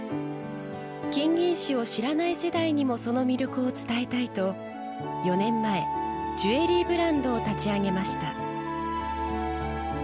金銀糸を知らない世代にもその魅力を伝えたいと４年前、ジュエリーブランドを立ち上げました。